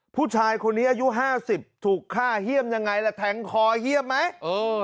ผู้ชายคนนี้อายุห้าสิบถูกฆ่าเยี่ยมยังไงล่ะแทงคอเยี่ยมไหมเออ